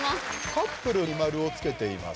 カップルに丸をつけています。